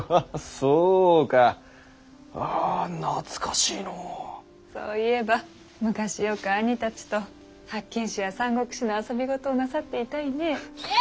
そういえば昔よく兄たちと八犬士や「三国志」の遊び事をなさっていたいねぇ。